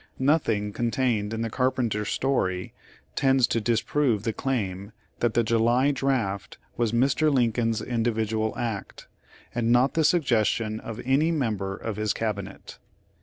Nothing contained in the Carpenter story tends to disprove the claim that the July draft was Mr. Lincoln's individual act, and not the suggestion of any member of his cabinet.